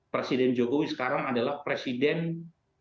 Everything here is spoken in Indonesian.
presiden jokowi sekarang adalah presiden paling tinggi